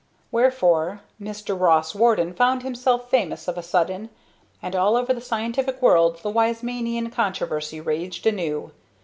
Wherefore Mr. Ross Warden found himself famous of a sudden; and all over the scientific world the Wiesmanian controversy raged anew.